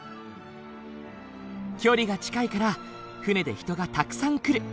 距離が近いから船で人がたくさん来る。